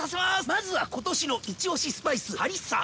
まずは今年のイチオシスパイスハリッサ！